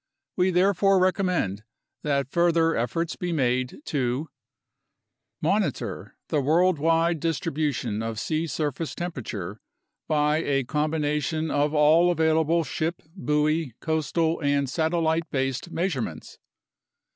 We therefore recom mend that further efforts be made to Monitor the worldwide distribution of sea surface temperature by a combination of all available ship, buoy, coastal, and satellite based measurements.